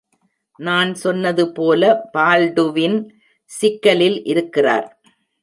நான் சொன்னது போல பால்டுவின் சிக்கலில் இருக்கிறார்.